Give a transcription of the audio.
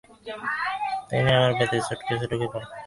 তিনি আবার বেতের সুটকেসে ঢুকে পড়লেন।